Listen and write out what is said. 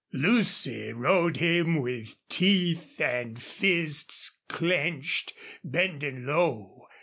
Lucy rode him with teeth and fists clenched, bending low.